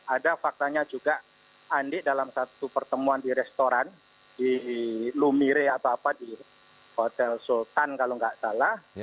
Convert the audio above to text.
ada faktanya juga andi dalam satu pertemuan di restoran di lumire atau apa di hotel sultan kalau nggak salah